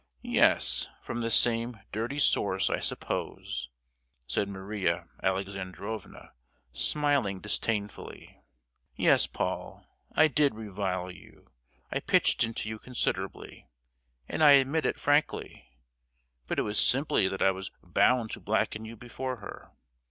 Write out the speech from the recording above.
"Yes, from the same dirty source, I suppose?" said Maria Alexandrovna, smiling disdainfully. "Yes, Paul, I did revile you: I pitched into you considerably, and I admit it frankly. But it was simply that I was bound to blacken you before her.